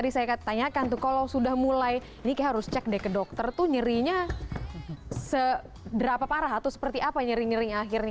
kita tanyakan tuh kalau sudah mulai ini harus cek deh ke dokter tuh nyerinya sederapa parah atau seperti apa nyeri nyeri akhirnya